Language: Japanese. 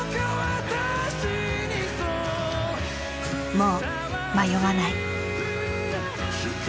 もう迷わない。